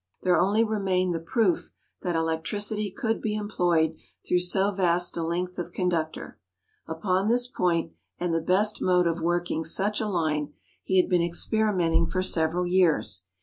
There only remained the proof that electricity could be employed through so vast a length of conductor. Upon this point and the best mode of working such a line, he had been experimenting for several years.